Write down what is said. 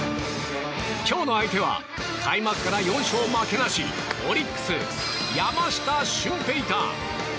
今日の相手は開幕から４勝負けなしオリックス、山下舜平大。